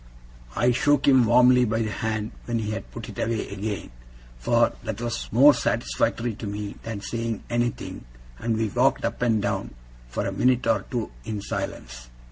I shook him warmly by the hand when he had put it away again for that was more satisfactory to me than saying anything and we walked up and down, for a minute or two, in silence.